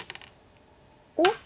おっ！